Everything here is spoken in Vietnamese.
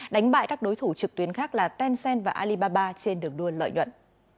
đánh bại các đối thủ trực tuyến khác là tencent và alibaba trên đường đua lợi nhuận